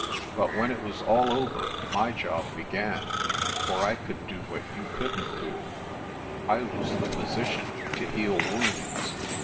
But when it was all over my job began, for I could do what you couldn't do I was the physician to heal wounds.